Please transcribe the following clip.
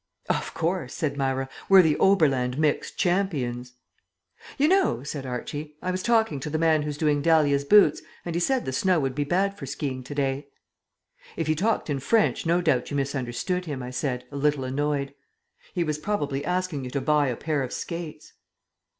"Of course," said Myra, "we're the Oberland mixed champions." "You know," said Archie, "I was talking to the man who's doing Dahlia's boots and he said the snow would be bad for ski ing to day." "If he talked in French, no doubt you misunderstood him," I said, a little annoyed. "He was probably asking you to buy a pair of skates."